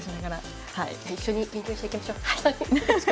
一緒に勉強していきましょう。